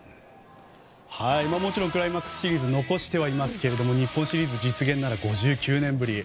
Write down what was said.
もちろんクライマックスシリーズを残してはいますが日本シリーズ実現ならば５９年ぶり。